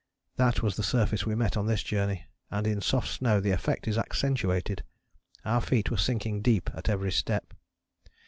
That was the surface we met on this journey, and in soft snow the effect is accentuated. Our feet were sinking deep at every step.